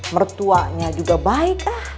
mertuanya juga baik